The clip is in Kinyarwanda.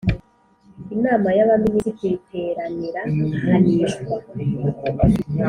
Inama y Abaminisitiri iteranira ahanishwa